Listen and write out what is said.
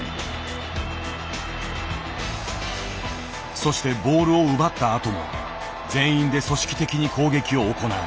そしてボールを奪ったあとも全員で組織的に攻撃を行う。